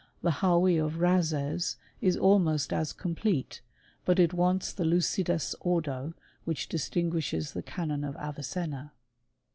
The Hhawi of Razes is al most as complete ; but it wants the lucidus ordo which distinguishes the Canon of Avicenna.